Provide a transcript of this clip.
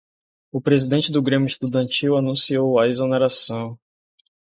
o presidente do grêmio estudantil anunciou a exoneração